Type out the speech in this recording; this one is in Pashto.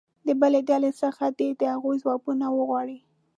د بلې ډلې څخه دې د هغو ځوابونه وغواړي.